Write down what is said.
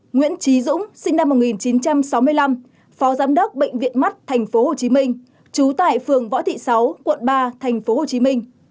một nguyễn trí dũng sinh năm một nghìn chín trăm sáu mươi năm phó giám đốc bệnh viện mắt tp hcm